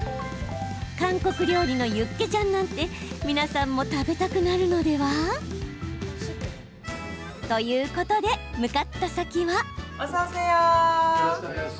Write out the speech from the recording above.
韓国料理のユッケジャンなんて皆さんも食べたくなるのでは？ということで向かった先は。